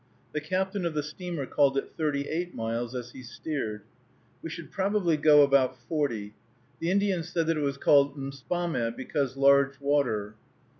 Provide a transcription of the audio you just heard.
The captain of the steamer called it thirty eight miles as he steered. We should probably go about forty. The Indian said that it was called "Mspame, because large water."